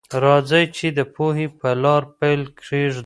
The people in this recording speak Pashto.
راځئ چي د پوهي په لار پل کېږدو.